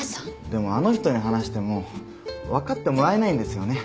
でもあの人に話しても分かってもらえないんですよね。